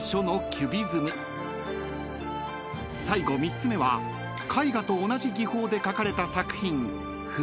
［最後３つ目は絵画と同じ技法で書かれた作品］